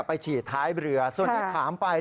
ไปฉีดท้ายเรือส่วนอย่างถามไป